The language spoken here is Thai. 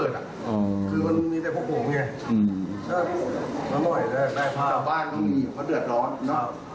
จากบ้านตรงนี้มันเดือดร้อน